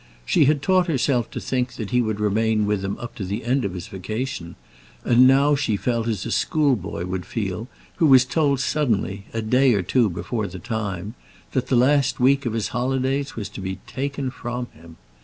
She had taught herself to think that he would remain with them up to the end of his vacation, and now she felt as a schoolboy would feel who was told suddenly, a day or two before the time, that the last week of his holidays was to be taken from him.